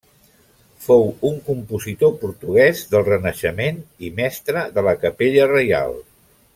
Fou un compositor portuguès del Renaixement i Mestre de la Capella Reial.